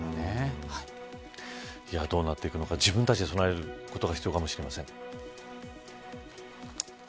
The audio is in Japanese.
どうなっていくのか自分たちで備えることが必要かもしれません。